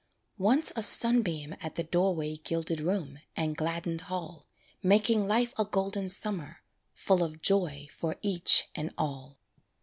Once a sunbeam at the doorway Gilded room and gladdened hall; Making life a golden summer, Full of joy for each and all.